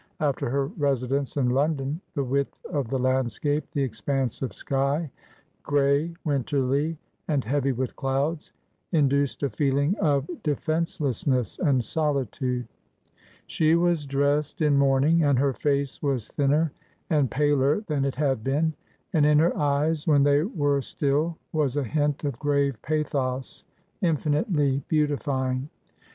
After her residence in London the width of the landscape, the expanse of sky — grey, winterly, and heavy with clouds — induced a feeling of defencelessness and solitude. She was dressed in mourning and her face was thinner and paler than it had been, and in her eyes when they were still was a hint of grave pathos infinitely beautifying.